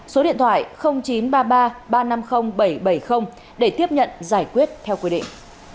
số điện thoại chín trăm ba mươi ba ba trăm năm mươi bảy trăm bảy mươi để tiếp nhận giải quyết theo quy định